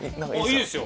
いいですよ。